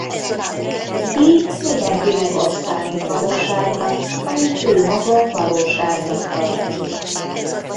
Így mindenkinek az számít valóságnak amit ő maga valóságnak tart.